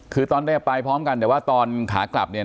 คือตอนนี้พายโพรมกันค่ะแต่ว่าตอนขากลับเนี่ย